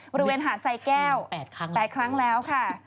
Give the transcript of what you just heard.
บริเวณหาดไซแก้ว๘ครั้งแล้วค่ะ